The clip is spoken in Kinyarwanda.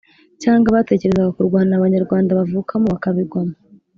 cyangwa batekerezaga kurwana abanyarwanda bavukamo bakabigwamo?